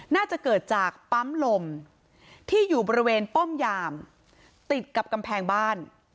น่าจะเกิดจากปั๊มลมที่อยู่บริเวณป้อมยามติดกับกำแพงบ้าน